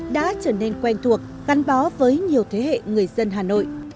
đã trở nên quen thuộc gắn bó với nhiều thế hệ người dân hà nội